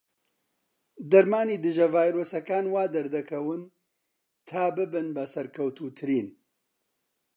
دەرمانی دژە ڤایرۆسیەکان وادەردەکەون تا ببن بە سەرکەوتووترین.